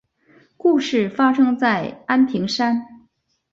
故事发生在安平山。